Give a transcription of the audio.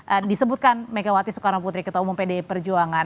salah satunya dari disebutkan megawati soekarno putri ketua umum pdi perjuangan